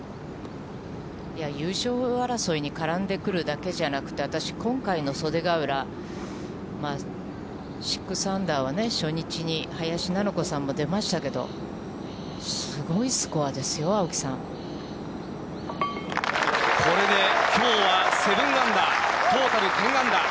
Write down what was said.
優勝争いに絡んでくるだけじゃなくて、私、今回の袖ヶ浦、６アンダーは初日に林菜乃子さんも出ましたけど、すごいスコアでこれできょうは７アンダー、トータル１０アンダー。